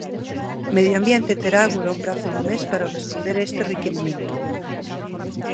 Medio Ambiente terá agora un prazo dun mes para responder a este requirimento.